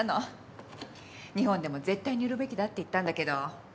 日本でも絶対に売るべきだって言ったんだけど頑固でね。